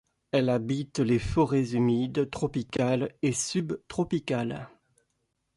Elle habite les forêts humides tropicales et subtropicales.